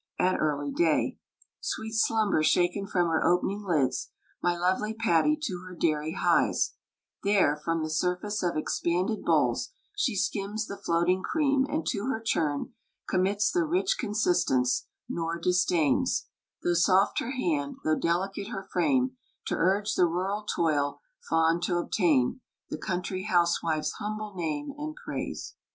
At early day, Sweet slumber shaken from her opening lids, My lovely Patty to her dairy hies; There, from the surface of expanded bowls She skims the floating cream, and to her churn Commits the rich consistence; nor disdains, Though soft her hand, though delicate her frame, To urge the rural toil, fond to obtain The country housewife's humble name and praise.